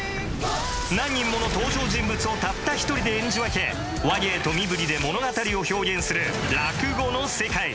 何人もの登場人物をたった一人で演じ分け話芸と身振りで物語を表現する落語の世界。